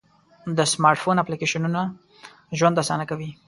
د سمارټ فون اپلیکیشنونه ژوند آسانه کوي.